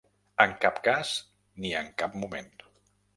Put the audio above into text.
En cap cas ni en cap moment.